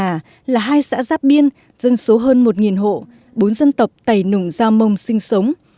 xã thượng hà là hai xã giáp biên dân số hơn một hộ bốn dân tộc tẩy nùng giao mông sinh sống